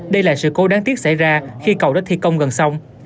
đây là sự cố đáng tiếc xảy ra khi cầu đã thi công gần sông